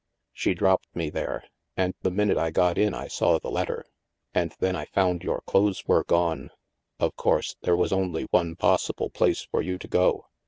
She dropped me there, and the minute I got in I saw the letter, and then I found your clothes were gone. Of course, there was only one possible place for you to go.